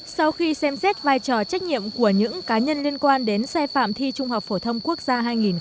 sau khi xem xét vai trò trách nhiệm của những cá nhân liên quan đến sai phạm thi trung học phổ thông quốc gia hai nghìn một mươi tám